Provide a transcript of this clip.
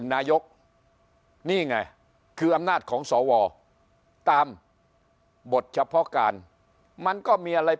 นายกนี่ไงคืออำนาจของสวตามบทเฉพาะการมันก็มีอะไร